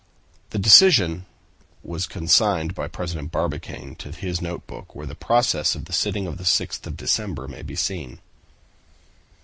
'" This decision was consigned by President Barbicane to his notebook, where the process of the sitting of the 6th of December may be seen.